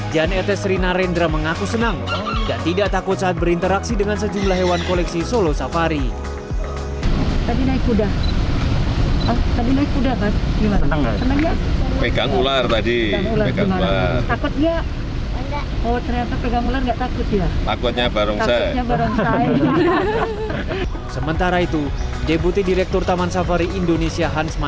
jan etes rina rendra mengaku senang dan tidak takut saat berinteraksi dengan sejumlah hewan koleksi solo safari